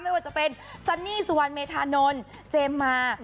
ไม่ว่าจะเป็นซันนี่สุวรรณเมธานนท์เจมส์มา